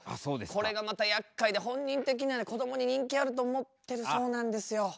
これがまたやっかいで本人的にはねこどもに人気あると思ってるそうなんですよ。